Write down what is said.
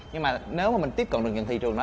nhưng mà nếu mà mình tiếp cận được những thị trường này